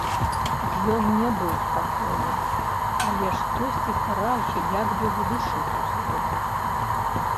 Ён не быў спакойны, але штосьці стараўся як бы задушыць у сабе.